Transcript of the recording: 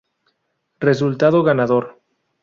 Resultado: Ganador.